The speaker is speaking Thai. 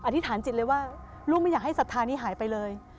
ธิษฐานจิตเลยว่าลูกไม่อยากให้ศรัทธานี้หายไปเลย